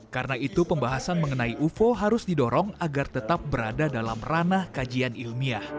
karena itu pembahasan mengenai ufo harus didorong agar tetap berada dalam ranah kajian ilmiah